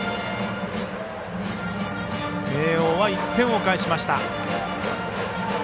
明桜は１点を返しました。